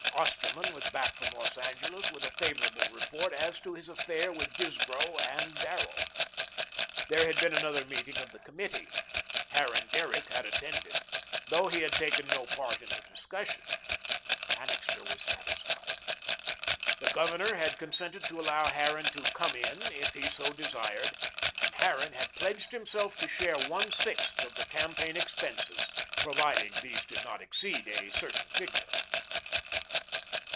Osterman was back from Los Angeles with a favourable report as to his affair with Disbrow and Darrell. There had been another meeting of the committee. Harran Derrick had attended. Though he had taken no part in the discussion, Annixter was satisfied. The Governor had consented to allow Harran to "come in," if he so desired, and Harran had pledged himself to share one sixth of the campaign expenses, providing these did not exceed a certain figure.